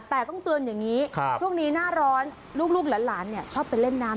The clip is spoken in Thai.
แต่ต้องเตือนอย่างนี้ช่วงนี้หน้าร้อนลูกหลานชอบไปเล่นน้ำ